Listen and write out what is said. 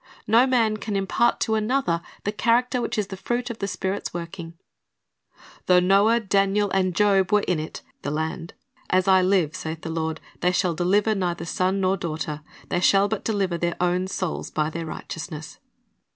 No man can impart to another the character which is the fruit of the Spirit's working. "Though Noah, Daniel, and Job were in it [the land], as I live, saith the Lord God, they shall deliver neither son nor daughter ; they shall but deliver their own souls by their righteousness."''